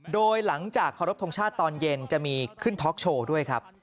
โดยหลังจากเคารพทงชาติตอนเย็นจะมีขึ้นท็อกโชว์ด้วยครับ